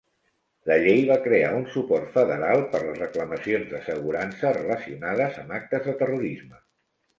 La llei va crear un suport federal per les reclamacions d'assegurança relacionades amb actes de terrorisme.